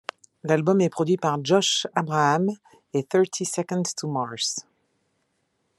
L'album est produit par Josh Abraham et Thirty Seconds to Mars.